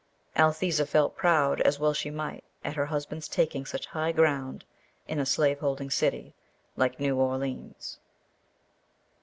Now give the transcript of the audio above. Althesa felt proud, as well she might, at her husband's taking such high ground in a slaveholding city like New Orleans.